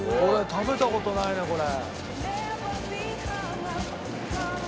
食べた事ないねこれ。